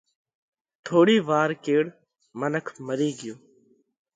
ٿوڙِي وار ڪيڙ منک مري ڳيو۔